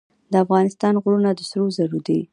د افغانستان غرونه د سرو زرو دي